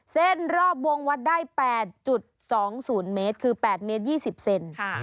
เส้นรอบวงวัดได้๘๒๐เมตรคือ๘เมตร๒๐เซน